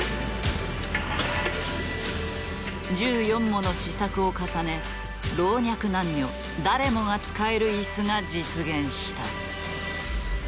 １４もの試作を重ね老若男女誰でも使える椅子が実現した。